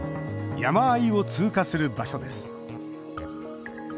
山あいを通過する場所です。